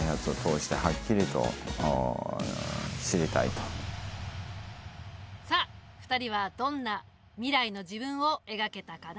それはすなわちさあ２人はどんな未来の自分を描けたかな？